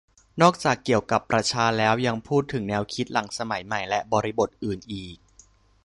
นอกจากเกี่ยวกับประชาแล้ว ยังพูดถึงแนวคิดหลังสมัยใหม่ และบริบทอื่นอีก